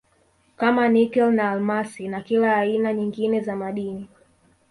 kama Nikel na almasi na kila aina nyingine za madini